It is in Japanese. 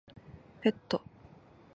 ペット